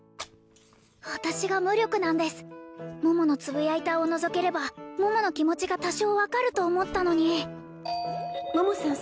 私が無力なんです桃のつぶやいたーをのぞければ桃の気持ちが多少分かると思ったのに桃さん